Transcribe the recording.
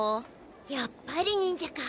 やっぱり忍者か。